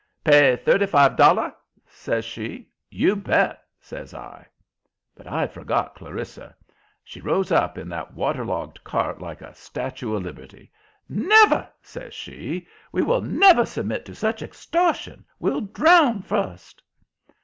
"Pay thirty five dolla?" says she. "You bet!" says I. But I'd forgot Clarissa. She rose up in that waterlogged cart like a Statue of Liberty. "Never!" says she. "We will never submit to such extortion. We'll drown first!"